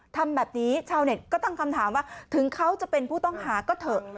ทำแบบนี้ชาวเน็ตก็ตั้งคำถามว่าถึงเขาจะเป็นผู้ต้องหาก็เถอะ